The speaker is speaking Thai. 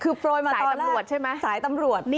คือโปรยมาตอนแรกสายตำรวจใช่ไหม